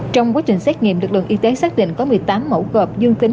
trong quá trình xét nghiệm lực lượng y tế xác định có một mươi tám mẫu gợp dương tính